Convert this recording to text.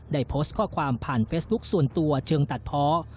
ได้โพสต์ข้อความผ่านเฟซบุ๊คส่วนตัวเชิงตัดเพาะ